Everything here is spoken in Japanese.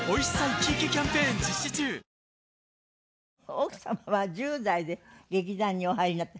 奥様は１０代で劇団にお入りになった。